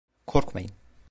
Korkmayın.